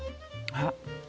あっ。